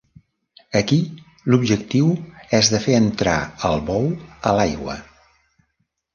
Aquí l'objectiu és de fer entrar el bou a l'aigua.